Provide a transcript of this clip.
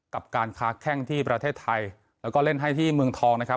กับการค้าแข้งที่ประเทศไทยแล้วก็เล่นให้ที่เมืองทองนะครับ